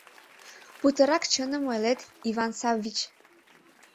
Путырак чыным ойлет, Иван Саввич!